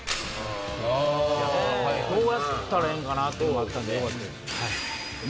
どうやったらええんかな？っていうのがあったんで。